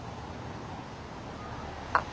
あっ。